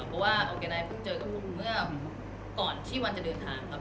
เพราะว่าออร์แกไนท์เพิ่งเจอกับคุณเมื่อก่อนที่วันจะเดินทางครับ